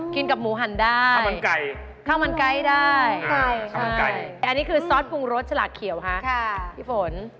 กินกับหมูหันได้ข้าวมันไก่ข้าวมันไก่ได้อันนี้คือซอสปรุงรสฉลากเขียวค่ะพี่ฝน